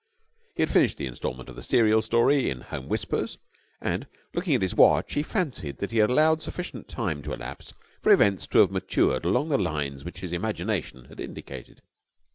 He had finished the instalment of the serial story in Home Whispers, and, looking at his watch he fancied that he had allowed sufficient time to elapse for events to have matured along the lines which his imagination had indicated.